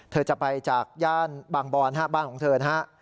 เธอจะไปจากย่านบางบอนบ้านของเธอนะฮะ